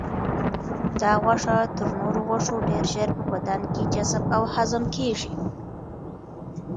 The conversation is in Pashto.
دا غوښه تر نورو غوښو ډېر ژر په بدن کې جذب او هضم کیږي.